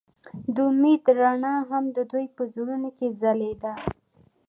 د امید رڼا هم د دوی په زړونو کې ځلېده.